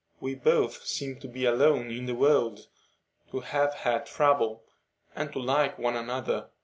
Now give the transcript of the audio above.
We both seem to be alone in the world, to have had trouble, and to like one another.